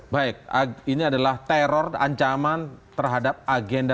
baik ini adalah teror ancaman terhadap agenda